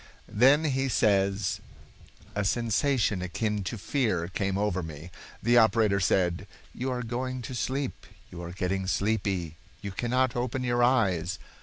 Then he says: "A sensation akin to fear came over me. The operator said: 'You are going to sleep, you are getting sleepy. You cannot open your eyes.